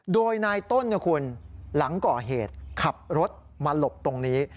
โดยนายต้นนะคุณหลังก่อเหตุขับรถมาหลบตรงนี้